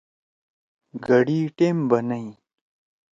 گھڑی ٹیم بنَئی۔